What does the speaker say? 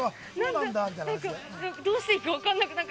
どうしていいか分からなくて。